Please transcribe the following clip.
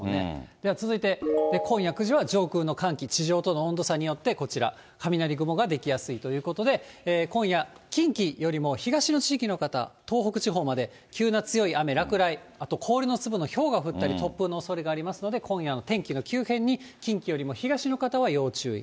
では続いて、今夜９時は上空の寒気、地上との温度差によって、こちら、雷雲が出来やすいということで、今夜、近畿よりも東の地域の方、東北地方まで、急な強い雨、落雷、あと氷の粒のひょうが降ったり、突風のおそれがありますので、今夜の天気の急変に近畿よりも東の方は要注意。